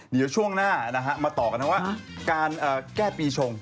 เดี๋ยวช่วงหน้านะฮะมาต่อกันนะว่าการแก้ปีชง